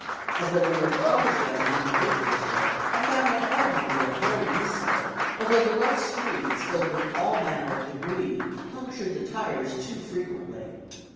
As there were no cars running in the burnt district, I found my automobile very useful although the rough streets filled with all manner of debris, punctured the tires too frequently.